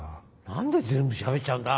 何で全部しゃべっちゃうんだ